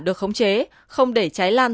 được khống chế không để cháy lan